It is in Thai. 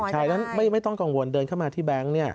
ใช่นั้นไม่ต้องกังวลเดินเข้ามาที่แบงค์เนี่ย